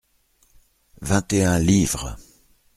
Vingt et un livres.